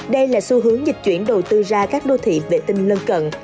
đây là xu hướng dịch chuyển đầu tư ra các đô thị vệ tinh lân cận